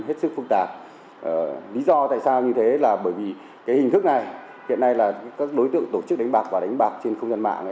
hết sức phức tạp lý do tại sao như thế là bởi vì cái hình thức này hiện nay là các đối tượng tổ chức đánh bạc và đánh bạc trên không gian mạng